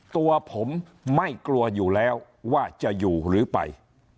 ตัวผมไม่กลัวอยู่แล้วว่าจะอยู่หรือไป